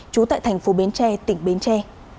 trú tại thành phố bến tre tỉnh bến tre